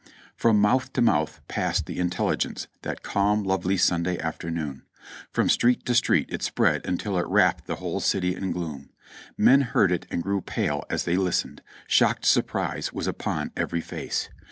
From mouth to mouth passed the intelligence that calm, lovely Sunday afternoon ; from street to street it spread until it wrapped the whole city in gloom. Men heard it and grew pale as they listened; shocked surprise was upon every face.